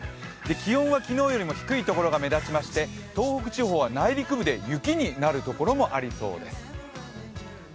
気温は昨日よりも低い所が目立ちまして、東北地方は内陸部で雪になる所もありそうです。